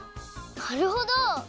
なるほど！